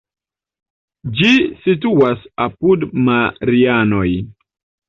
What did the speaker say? Ĝi situas apud Marianoj.